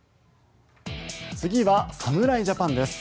次は侍ジャパンです。